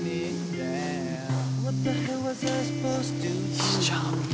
いいじゃん。